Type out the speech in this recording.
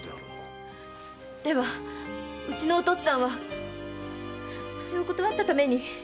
ではうちのお父っつぁんはそれを断ったために！